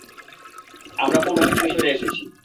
আমরা পৌরাণিক মিশরে এসেছি!